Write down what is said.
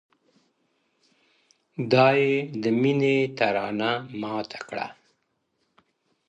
دا يې د ميــــني تـرانـــه ماته كــړه،